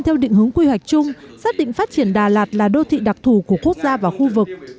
theo định hướng quy hoạch chung xác định phát triển đà lạt là đô thị đặc thù của quốc gia và khu vực